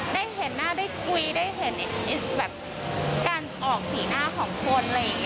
ได้เห็นหน้าได้คุยได้เห็นการออกสีหน้าของคน